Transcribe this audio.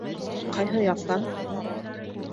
— Ҡайһы яҡтан?